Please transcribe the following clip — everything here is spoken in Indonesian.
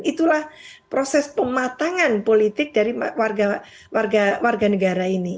itulah proses pematangan politik dari warga negara ini